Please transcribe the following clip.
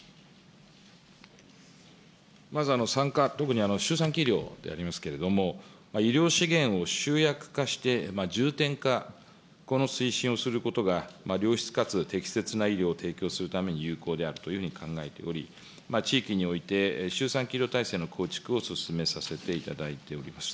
まず産科、特に周産期医療でありますけれども、医療資源を集約化して重点化、この推進をすることが良質かつ適切な医療を提供するために有効であると考えており、地域において周産期医療体制の構築を進めさせていただいております。